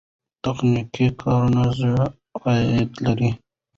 تخنیکي کارونه ښه عاید لري.